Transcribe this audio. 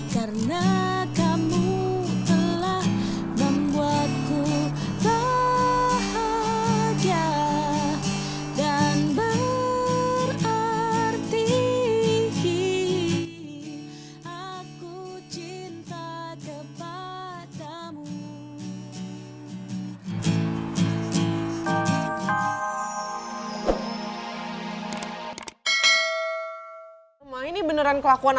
karena kamu telah membuatku